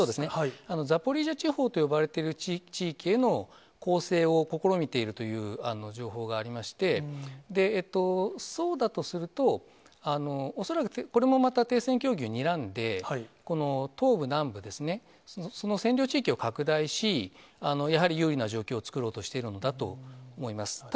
ザポリージャ地方と呼ばれている地域への攻勢を試みているという情報がありまして、そうだとすると、恐らく、これもまた停戦協議をにらんで、この東部、南部ですね、その占領地域を拡大し、やはり優位な状況を作ろうとしているのだと思います。